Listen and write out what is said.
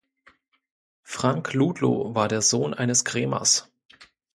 Frank Ludlow war der Sohn eines Krämers.